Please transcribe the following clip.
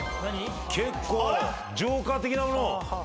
結構ジョーカー的な。